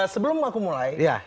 sebelum aku mulai iya